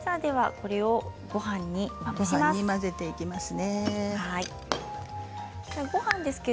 これをごはんにまぶします。